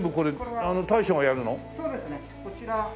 こちら。